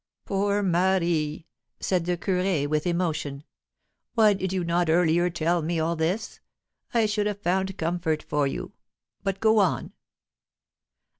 "Poor Marie!" said the curé with emotion. "Why did you not earlier tell me all this? I should have found comfort for you. But go on."